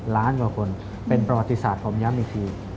ล้านกว่าคนเป็นประวัติศาสตร์ผมย้ำอีกที